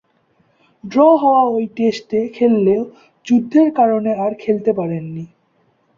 Draw হওয়া ঐ টেস্টে খেললেও যুদ্ধের কারণে আর খেলতে পারেননি।